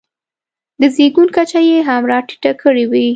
د زېږون کچه یې هم راټیټه کړې وي.